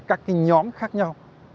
các cái nhóm khác nhau